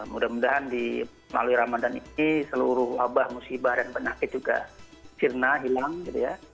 mudah mudahan di melalui ramadan ini seluruh wabah musibah dan penyakit juga sirna hilang gitu ya